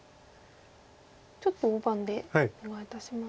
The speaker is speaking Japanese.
ちょっと大盤でお願いいたします。